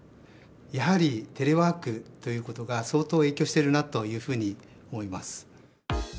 やはりテレワークということが相当影響してるなというふうに思います。